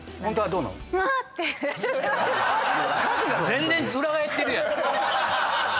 全然裏返ってるやん。